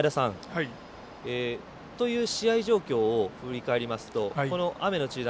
こういう試合状況を振り返りますとこの雨の中断